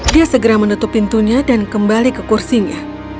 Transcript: dia segera menutup pintunya dan kembali ke kursinya